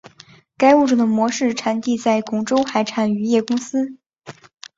该物种的模式产地在广州海产渔业公司。